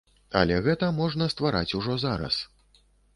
Але гэта можна ствараць ужо зараз.